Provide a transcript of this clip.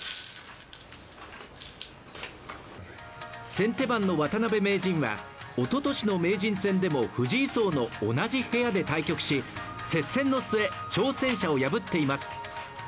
先手番の渡辺名人はおととしの名人戦でも藤井荘の同じ部屋で対局し、接戦の末、挑戦者を破っています。